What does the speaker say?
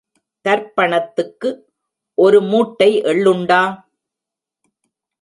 தர்ப்பணத்துக்கு ஒரு மூட்டை எள்ளுண்டா?